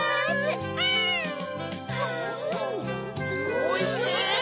おいしい！